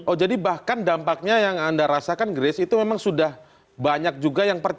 oh jadi bahkan dampaknya yang anda rasakan grace itu memang sudah banyak juga yang percaya